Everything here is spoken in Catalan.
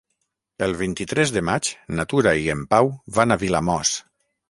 El vint-i-tres de maig na Tura i en Pau van a Vilamòs.